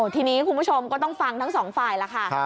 ทีนี้คุณผู้ชมก็ต้องฟังทั้งสองฝ่ายแล้วค่ะ